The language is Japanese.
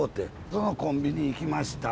そのコンビニへ行きました。